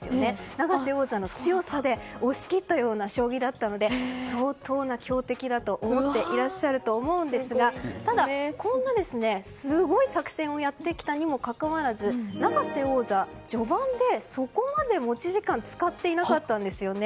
永瀬王座の強さで押し切ったような将棋だったので相当な強敵だと思っていらっしゃると思うんですがただ、こんなすごい作戦をやってきたにもかかわらず永瀬王座、序盤でそこまで持ち時間を使っていなかったんですよね。